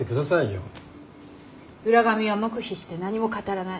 浦上は黙秘して何も語らない。